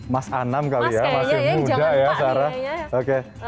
mas anam kali ya masih muda ya sarah